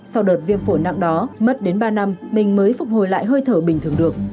sau đợt viêm phổ nặng đó mất đến ba năm mình mới phục hồi lại hơi thở bình thường được